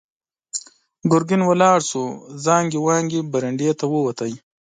ګرګين ولاړ شو، زانګې وانګې برنډې ته ووت.